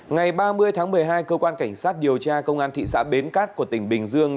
ngày ba mươi tháng một mươi hai cơ quan cảnh sát điều tra công an thị xã bến cát của tỉnh bình dương